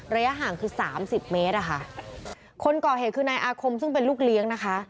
ระยะห่างคือสามสิบเมตรอะค่ะคนก่อเหตุคือนายอาคมซึ่งเป็นลูกเลี้ยงนะคะ